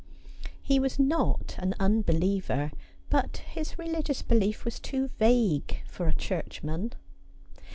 He was not an unbeliever, but his religious belief was too vague for a Churchman.